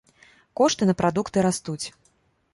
Кошты на прадукты растуць.